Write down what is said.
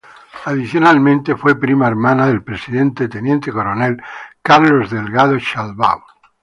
Adicionalmente fue prima hermana del Presidente Teniente Coronel Carlos Delgado Chalbaud.